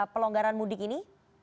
pelonggaran mudik ini